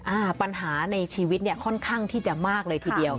อ่าปัญหาในชีวิตเนี่ยค่อนข้างที่จะมากเลยทีเดียว